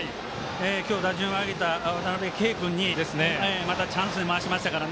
今日、打順を上げた渡辺憩君にまたチャンスで回しましたから。